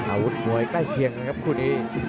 อาวุธมวยใกล้เคียงนะครับคู่นี้